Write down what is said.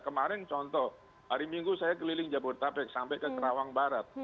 kemarin contoh hari minggu saya keliling jabodetabek sampai ke kerawang barat